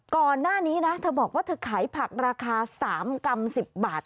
ก่อนหน้านี้นะเธอบอกว่าเธอขายผักราคา๓กรัม๑๐บาท